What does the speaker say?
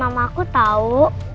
mama aku tau